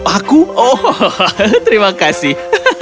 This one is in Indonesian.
aku oh terima kasih